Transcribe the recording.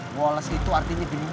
woles itu artinya dindi